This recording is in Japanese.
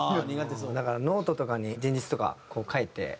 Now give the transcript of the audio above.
だからノートとかに前日とかこう書いて。